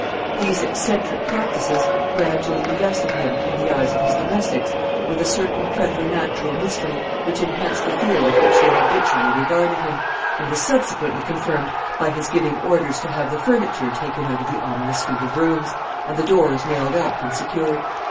These eccentric practices gradually invested him, in the eyes of his domestics, with a certain preternatural mystery, which enhanced the fear with which they habitually regarded him, and was subsequently confirmed by his giving orders to have the furniture taken out of the ominous suite of rooms, and the doors nailed up and secured.